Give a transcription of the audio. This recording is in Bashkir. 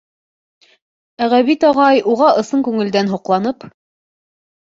Ә Ғәбит ағай, уға ысын күңелдән һоҡланып: